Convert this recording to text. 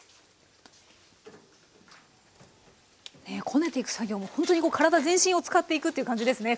こねていく作業もほんとに体全身を使っていくという感じですね